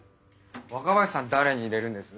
若林さん誰に入れるんです？